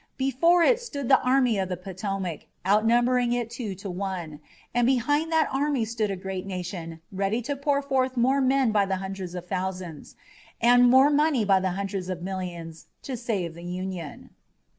Before it stood the Army of the Potomac, outnumbering it two to one, and behind that army stood a great nation ready to pour forth more men by the hundreds of thousands and more money by the hundreds of millions to save the Union.